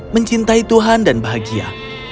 mencintai tuhan dan bahagia